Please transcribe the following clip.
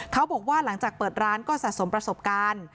เขาบอกว่าหลังจากเปิดร้านก็สะสมประสบการณ์